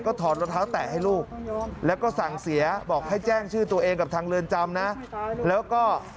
ก็ถอดรองเท้าแตะให้ลูก